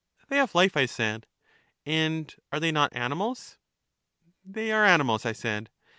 They have life, I said. And are they not animals? They are animals, I said.